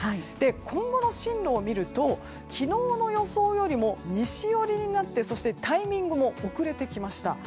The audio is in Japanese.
今後の進路を見ると昨日の予想よりも西寄りになってそして、タイミングも遅れてきました。